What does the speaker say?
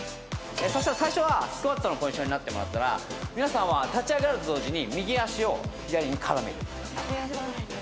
最初スクワットのポジションになってもらったら皆さんは立ち上がると同時に右足を左に絡める。